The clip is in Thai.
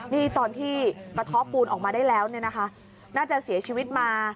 นี่ตอนที่กระท่อปูนออกมาได้แล้วน่าจะเสียชีวิตมา